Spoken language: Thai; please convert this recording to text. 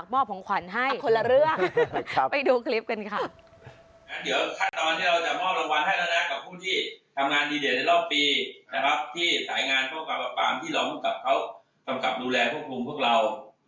ผมก็จะรองวัลพวกเราเป็นความรักลำใจ